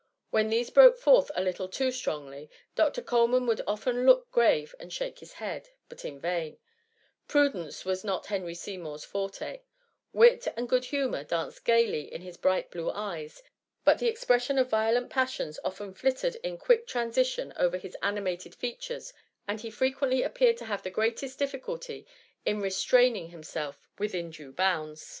When these broke forth a little too strongly. Doctor Coleman would often look grave and shake his head, but in vain; pru dence was not Henry Seymour*s forte: wit and good humour danced gaily in his bright blue eyes; but the expression of violent pas sions often flitted in quick transition over his animated features, and he frequently appeared to have the greatest difficulty in restraining himself within due bounds.